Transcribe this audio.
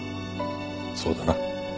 そうだな。